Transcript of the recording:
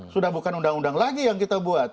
sudah bukan undang undang lagi yang kita buat